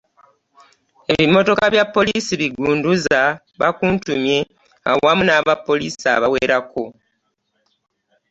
Ebimotoka bya poliisi bigunduuza, bakuntumye awamu n'abapoliisi abawerako